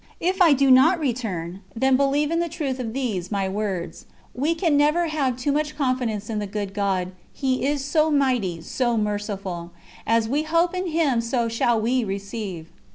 If I do not return, then believe in the truth of these my words: We can never have too much confidence in the Good God, He is so mighty, so merciful. As we hope in Him so shall we receive."